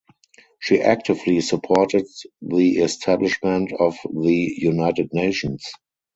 She actively supported the establishment of the United Nations.